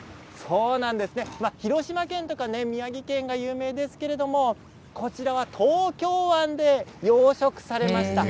広島県、宮城県が有名ですけれどこちらは東京湾で養殖されました